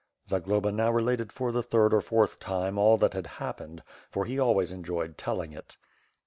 Zagloba now related for the third or fourth time all that had happened; for he always enjoyed telling it.